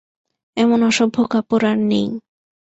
এমন অসভ্য কাপড় আর নেই।